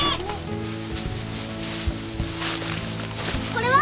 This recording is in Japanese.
これは？